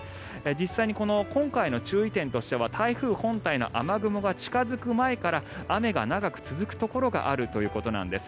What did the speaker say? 実際に今回の注意点としては台風本体の雨雲が近付く前から雨が長く続くところがあるということなんです。